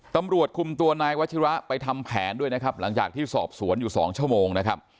ตำรวจคุมตัวนายวัชิระไปทำแผนด้วยนะครับหลังจากที่สอบสวนอยู่๒ชั่วโมงนะครับ